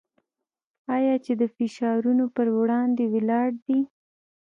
آیا چې د فشارونو پر وړاندې ولاړ دی؟